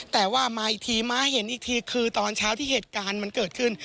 แต่ว่ามาอีกทีมาเห็นอีกทีคือตอนเช้าที่เหตุการณ์มันเกิดขึ้น